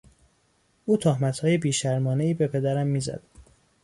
او تهمتهای بیشرمانهای به پدرم میزد.